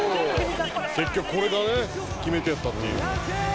「結局これがね決め手やったっていう」